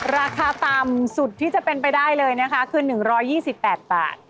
ราคาต่ำสุดที่จะเป็นไปได้เลยนะคะคือ๑๒๘บาท